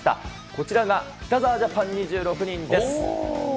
こちらが北澤ジャパン２６人です。